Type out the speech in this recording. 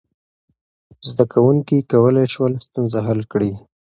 زده کوونکي کولی شول ستونزه حل کړي.